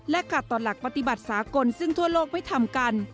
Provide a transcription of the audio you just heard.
ขาดต่อหลักปฏิบัติสากลซึ่งทั่วโลกไม่ทำกัน